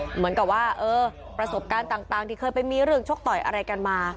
เหมือนกับว่าประสบการณ์ต่างที่เคยไปมีเรื่องชกต่อยอะไรกันมา